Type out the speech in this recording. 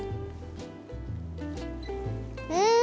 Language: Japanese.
うん！